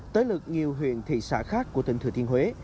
tới được nhiều huyện thị xã khác của tỉnh thừa thiên huế